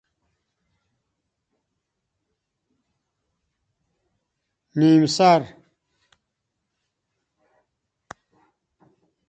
نیم سر